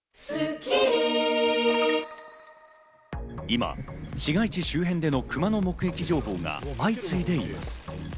今、市街地周辺でのクマの目撃情報が相次いでいます。